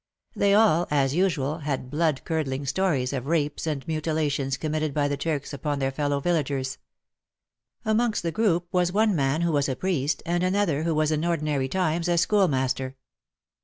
They all, as usual, had blood curdling stories of rapes and mutilations committed by the Turks upon their fellow villagers. Amongst the group was one man who was a priest, and another who was in ordinary times a school master.